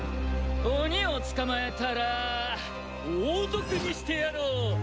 鬼を捕まえたら王族にしてやろう！